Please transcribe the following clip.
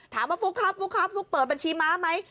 ฟุ๊กครับฟุ๊กครับฟุ๊กเปิดบัญชีม้าไหม